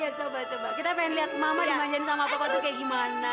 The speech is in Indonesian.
iya coba coba kita pengen lihat mama dimanjain sama papa tuh kayak gimana